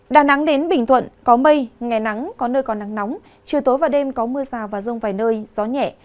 đà nẵng đến bình thuận có mây ngày nắng có nơi còn nắng nóng chiều tối và đêm có mưa rào và rông vài nơi gió nhẹ